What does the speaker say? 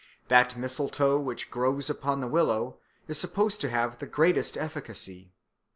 That mistletoe which grows upon the willow is supposed to have the greatest efficacy.